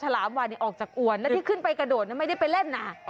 แล้วก็กลับไปในทะเล